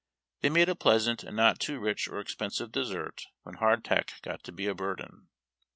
They made a pleasant and not too rich or expensive dessert when hardtack got to be a burden.